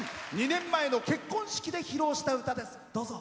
２年前の結婚式で披露した歌です。